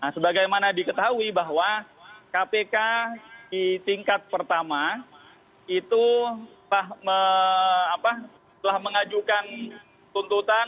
sebagaimana diketahui bahwa kpk di tingkat pertama itu telah mengajukan tuntutan